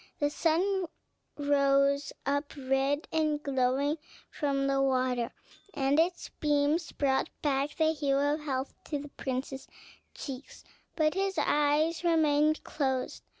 The sun rose up red and glowing from the water, and its beams brought back the hue of health to the prince's cheeks; but his eyes remained closed.